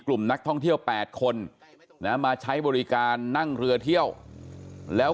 กลุ่มนักท่องเที่ยว๘คนนะมาใช้บริการนั่งเรือเที่ยวแล้ว